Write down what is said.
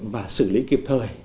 và xử lý kịp thời